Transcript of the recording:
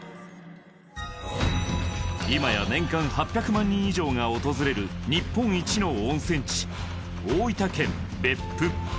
今や年間８００万人以上が訪れる日本一の温泉地大分県・別府